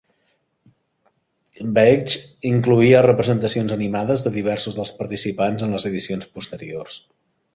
Bagge incloïa representacions animades de diversos dels participants en les edicions posteriors.